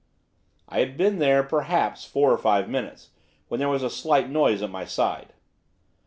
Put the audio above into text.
I had been there, perhaps, four or five minutes, when there was a slight noise at my side.